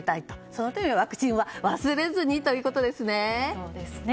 そのためにもワクチンはこれからも忘れずにということですね。